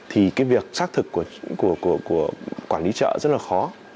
thì cái việc xác thực của quản lý chợ rất là khó